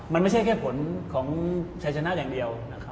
มันไม่ใช่แค่ผลของชัยชนะอย่างเดียว